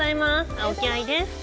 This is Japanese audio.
青木愛です。